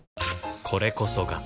これこそが